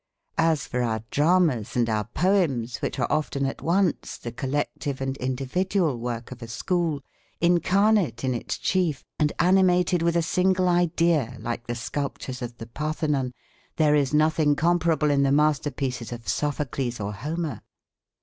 As for our dramas and our poems which are often at once the collective and individual work of a school, incarnate in its chief and animated with a single idea like the sculptures of the Parthenon, there is nothing comparable in the masterpieces of Sophocles or Homer.